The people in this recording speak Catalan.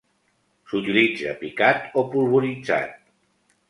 S'utilitza picat o polvoritzat.